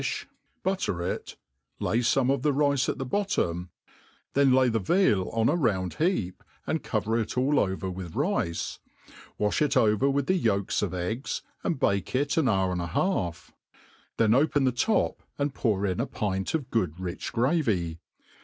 $7 dilh, batter it, ]ay kmt of the rice at the bottom, then lay tht vea4 on i round heap, and cover it all over with rice, wafli it over with the yolks of eggf, and bake it an hour and a half; then open the top and poor in a pint of rich good gravy.